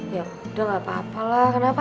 ya udah gak apa apa lah kenapa